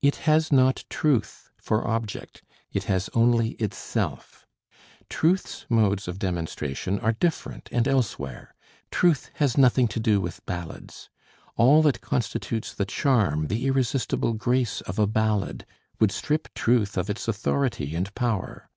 It has not Truth for object, it has only itself. Truth's modes of demonstration are different and elsewhere. Truth has nothing to do with ballads; all that constitutes the charm, the irresistible grace of a ballad, would strip Truth of its authority and power.